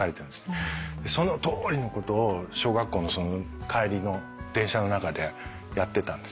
そのとおりのことを小学校の帰りの電車の中でやってたんです。